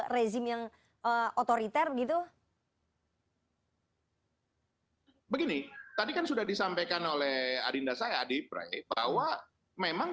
rezim yang otoriter gitu begini tadi kan sudah disampaikan oleh adinda saya adi pray bahwa memang